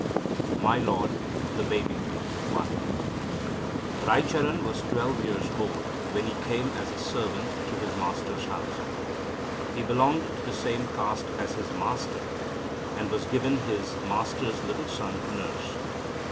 MY LORD, THE BABY I Raicharan was twelve years old when he came as a servant to his master's house. He belonged to the same caste as his master, and was given his master's little son to nurse.